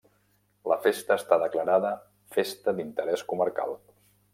La festa està declarada Festa d'Interès Comarcal.